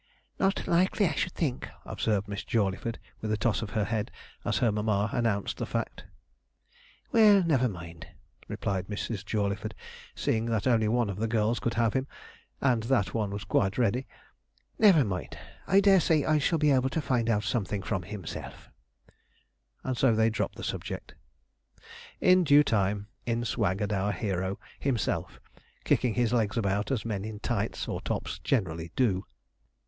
'Not likely, I should think,' observed Miss Jawleyford, with a toss of her head, as her mamma announced the fact. 'Well, never mind,' replied Mrs. Jawleyford, seeing that only one of the girls could have him, and that one was quite ready; 'never mind, I dare say I shall be able to find out something from himself,' and so they dropped the subject. In due time in swaggered our hero, himself, kicking his legs about as men in tights or tops generally do.